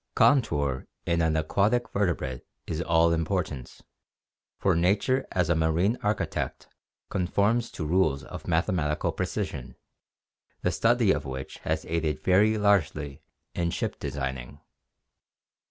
Contour in an aquatic vertebrate is all important, for nature as a marine architect conforms to rules of mathematical precision, the study of which has aided very largely in ship designing.